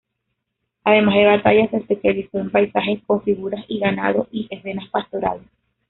Además de batallas, se especializó en paisajes con figuras y ganado y escenas pastorales.